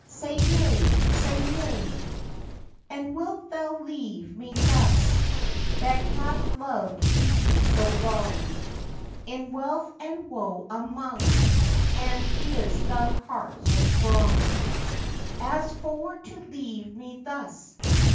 Say nay! say nay! And wilt thou leave me thus, That hath loved thee so long In wealth and woe among: And is thy heart so strong As for to leave me thus?